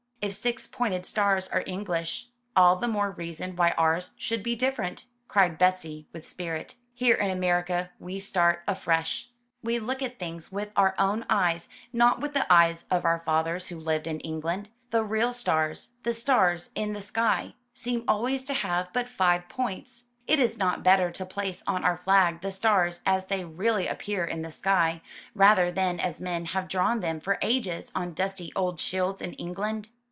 "If six pointed stars are English, all the more reason why ours should be different!" cried Betsy with spirit. "Here in America we start afresh. We look at things 295 M Y BOOK HOUSE with our own eyes, not with the eyes of our fathers who Hved in England. The real stars — the stars in the sky — seem always to have but five points. Is it not better to place on our flag the stars as they really appear in the sky, rather than as men have drawn them for ages on dusty old shields in England?''